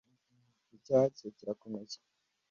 icyaha cye kirakomeye.